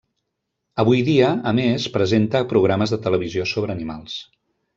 Avui dia a més presenta programes de televisió sobre animals.